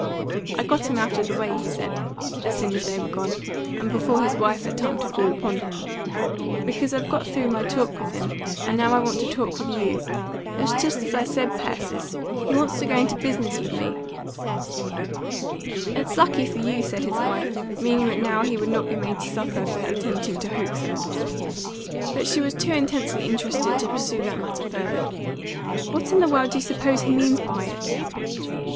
"I got 'em out of the way," he said, as soon as they were gone, and before his wife had time to fall upon him, "because I've got through my talk with him, and now I want to talk with YOU. It's just as I said, Persis; he wants to go into the business with me." "It's lucky for you," said his wife, meaning that now he would not be made to suffer for attempting to hoax her. But she was too intensely interested to pursue that matter further. "What in the world do you suppose he means by it?"